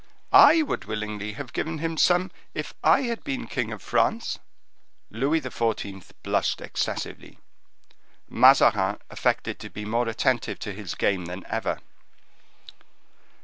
I would willingly have given him some if I had been king of France." Louis XIV. blushed excessively. Mazarin affected to be more attentive to his game than ever.